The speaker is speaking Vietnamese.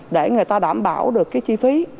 để người ta đảm bảo được cái chi phí